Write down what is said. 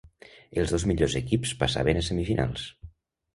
Els dos millors equips passaven a semifinals.